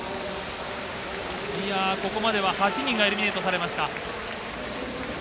ここまで８人がエリミネイトされました。